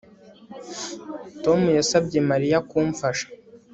Tom yasabye Mariya kumfasha